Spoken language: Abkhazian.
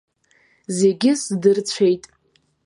Зегьы здырцәеит.